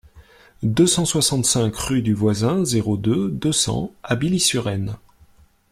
deux cent soixante-cinq rue du Voisin, zéro deux, deux cents à Billy-sur-Aisne